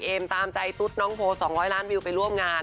ตามใจตุ๊ดน้องโพ๒๐๐ล้านวิวไปร่วมงาน